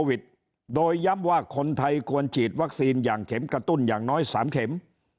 โดยย้ำว่าคนไทยควรฉีดวัคซีนอย่างเข็มกระตุ้นอย่างน้อย๓เข็ม